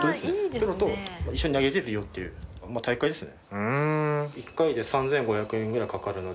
プロと一緒に投げられるよっていう大会ですね。